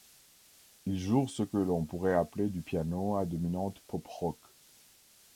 Ils jouèrent ce que l’on pourrait appeler du piano à dominante pop rock.